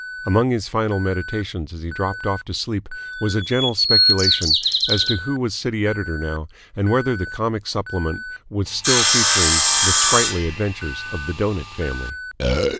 Among his final meditations as he dropped off to sleep was a gentle speculation as to who was City editor now and whether the comic supplement was still featuring the sprightly adventures of the Doughnut family.